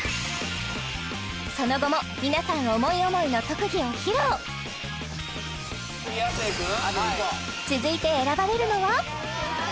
その後も皆さん思い思いの特技を披露続いて選ばれるのは？